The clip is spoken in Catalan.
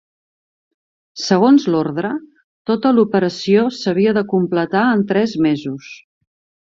Segons l'ordre, tota l'operació s'havia de completar en tres mesos.